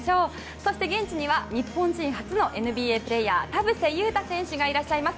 そして、現地には日本人初のＮＢＡプレーヤー田臥勇太選手がいらっしゃいます。